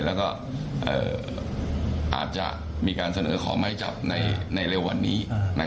แล้วก็อาจจะมีการเสนอขอไม้จับในเร็ววันนี้